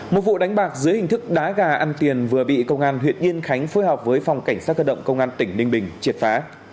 một vụ đánh bạc dưới hình thức đá gà ăn tiền vừa bị công an huyện yên khánh phối hợp với phòng cảnh sát cơ động công an tỉnh ninh bình triệt phá